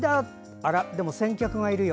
あら、でも先客がいるよ。